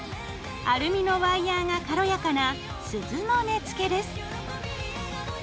アルミのワイヤーが軽やかな鈴の根付です。